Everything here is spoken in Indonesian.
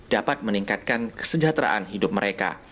dapat meningkatkan kesejahteraan hidup mereka